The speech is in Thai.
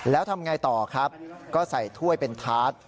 แล้วทำอย่างไรต่อครับก็ใส่ถ้วยเป็นทาร์ท